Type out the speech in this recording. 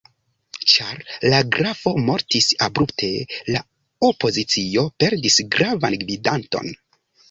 Ĉar la grafo mortis abrupte, la opozicio perdis gravan gvidanton.